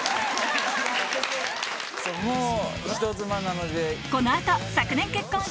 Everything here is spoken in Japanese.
もう人妻なので。